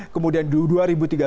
kemudian dua ribu tiga belas